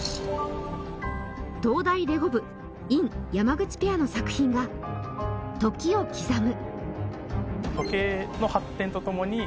東大レゴ部尹・山口ペアの作品が「時を刻む」